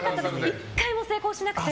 １回も成功しなくて。